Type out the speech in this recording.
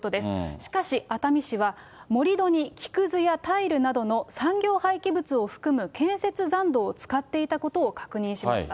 しかし熱海市は、盛り土に木くずやタイルなどの産業廃棄物を含む建設残土を使っていたことを確認しました。